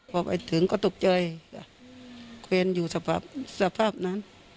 พอไปถึงก็ตกเจยควีรอยู่สภาพนั้น